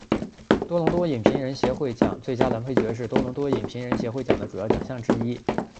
多伦多影评人协会奖最佳男配角是多伦多影评人协会奖的主要奖项之一。